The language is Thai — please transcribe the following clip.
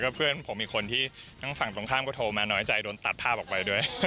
เพื่อนผมอีกคนที่ทั้งฝั่งตรงข้ามก็โทรมาน้อยใจโดนตัดภาพออกไปด้วย